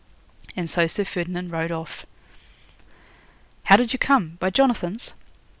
'And so Sir Ferdinand rode off.' 'How did you come; by Jonathan's?'